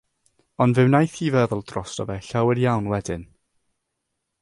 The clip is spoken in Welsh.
Ond fe wnaeth hi feddwl drosto fe llawer iawn wedyn.